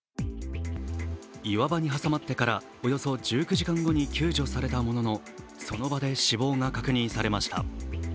岩場に挟まってからおよそ１９時間後に救助されたものの、その場で死亡が確認されました。